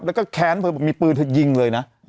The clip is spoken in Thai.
แล้วก็แค้นเธอบอกมีปืนเธอยิงเลยนะ